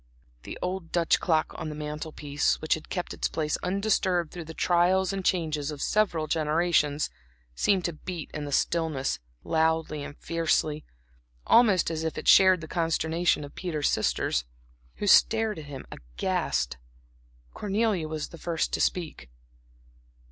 The old Dutch clock on the mantel piece, which had kept its place undisturbed through the trials and changes of several generations, seemed to beat in the stillness loudly and fiercely, almost as if it shared the consternation of Peter's sisters, who stared at him aghast. Cornelia was the first to speak.